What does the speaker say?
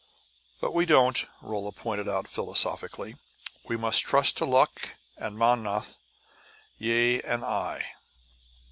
"But we don't!" Rolla pointed out philosophically. "We must trust to luck and Mownoth, ye and I."